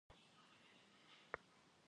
Bgım cedıç'eç'e yêue.